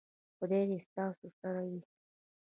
خدای دې ستا سره وي .